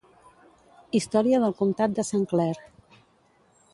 Història del comtat de Saint Clair.